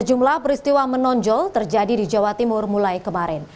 sejumlah peristiwa menonjol terjadi di jawa timur mulai kemarin